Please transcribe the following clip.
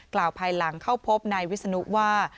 กล่าวภายหลังเข้าพบนายวิศนุว่า